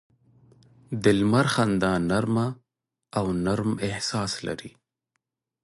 د لمر خندا نرمه او نرم احساس لري